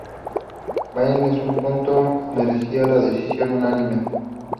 Bradley, en ese punto, merecía la decisión unánime.